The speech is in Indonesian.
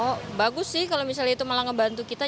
oh bagus sih kalau misalnya itu malah ngebantu kita